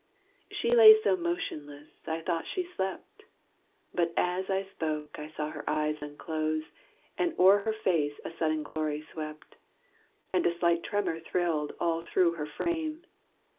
She lay so motionless I thought she slept: But, as I spoke, I saw her eyes unclose, And o'er her face a sudden glory swept, And a slight tremor thrilled all through her frame.